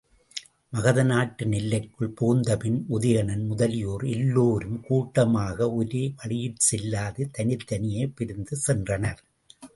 மகத நாட்டின் எல்லைக்குள் புகுந்தபின் உதயணன் முதலியோர் எல்லோரும் கூட்டமாக ஒரே வழியிற்செல்லாது தனித்தனியே பிரிந்து சென்றனர்.